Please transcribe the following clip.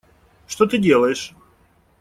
Что ты делаешь?